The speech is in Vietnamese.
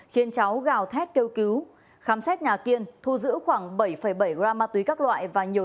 khiến cháu gào thét kêu cứu khám xét nhà kiên thu giữ khoảng bảy bảy gram ma túy các loại và nhiều